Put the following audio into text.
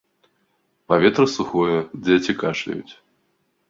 Паветра сухое, дзеці кашляюць.